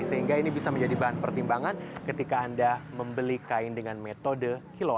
sehingga ini bisa menjadi bahan pertimbangan ketika anda membeli kain dengan metode kilo